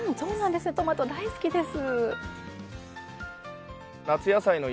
トマト大好きです。